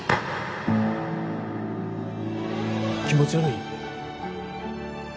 気持ち悪い？